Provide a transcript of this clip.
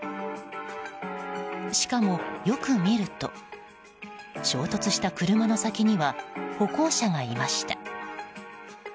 しかも、よく見ると衝突した車の先には歩行者がいました。